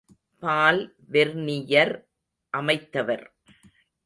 பால் Vernier அமைத்தவர்.